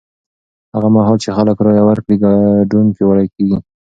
هغه مهال چې خلک رایه ورکړي، ګډون پیاوړی کېږي.